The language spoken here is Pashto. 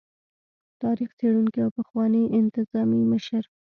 تاريخ څيړونکي او پخواني انتظامي مشر